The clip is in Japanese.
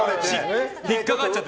引っかかっちゃって。